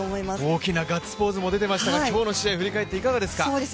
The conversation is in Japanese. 大きなガッツポーズも出ていましたが、今日の試合を振り返って、いかがですか。